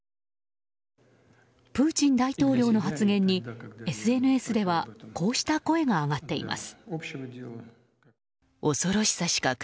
プーチン大統領の発言にＳＮＳではこうした声が上がっています。